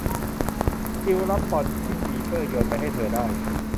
จิลล์รับบอลที่ปีเตอร์โยนไปให้เธอได้